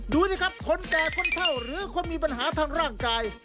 ดูสิครับคนแก่คนเท่าหรือคนมีปัญหาทางร่างกาย